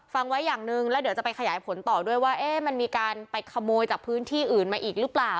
ฟังไว้อย่างหนึ่งแล้วเดี๋ยวจะไปขยายผลต่อด้วยว่ามันมีการไปขโมยจากพื้นที่อื่นมาอีกหรือเปล่า